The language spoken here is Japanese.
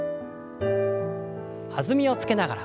弾みをつけながら。